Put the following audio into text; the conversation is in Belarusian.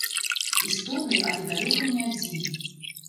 Істотнай, але далёка не адзінай.